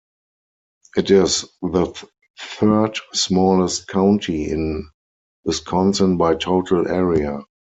It is the third-smallest county in Wisconsin by total area.